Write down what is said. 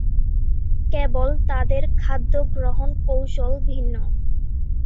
কেবল তাদের খাদ্যগ্রহণ কৌশল ভিন্ন।